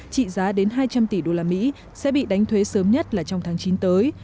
trị giá đến hai trăm linh tỷ usd sẽ bị đánh thuế sớm nhất là trong tháng chín tới